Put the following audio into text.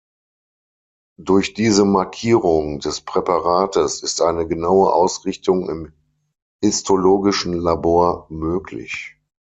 Durch diese Markierung des Präparates ist eine genaue Ausrichtung im histologischen Labor möglich.